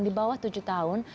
di bawah tujuh tahun